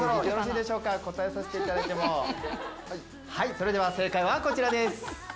それでは正解はこちらです！